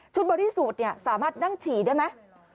ชุดบอรี่สูตรนี่สามารถนั่งฉีด้วยไหม